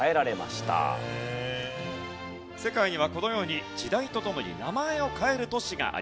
世界にはこのように時代とともに名前を変える都市があります。